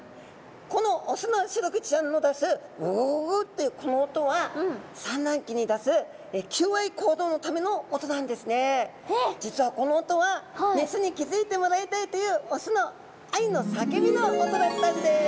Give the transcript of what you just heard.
このオスのシログチちゃんの出すグゥグゥグゥグゥというこの音は実はこの音はメスに気付いてもらいたいというオスの愛の叫びの音だったんです！